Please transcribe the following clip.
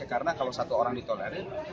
karena kalau satu orang ditoleri